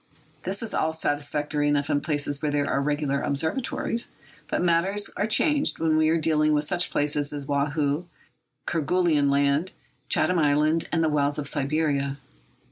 This is all satisfactory enough in places where there are regular observatories. But matters are changed when we are dealing with such places as Woahoo, Kerguelen Land, Chatham Island, and the wilds of Siberia.